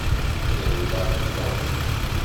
Yerwel ɣef tmuɣli-s.